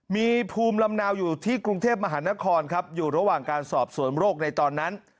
มีภูมิลำเนาอยู่ที่กรุงเทพมหานครครับอยู่ระหว่างการสอบสวนโรคในตอนนั้น